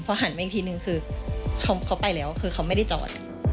เพราะหันไปอีกทีหนึ่งคือเขาไปแล้วเขาไม่ได้จอด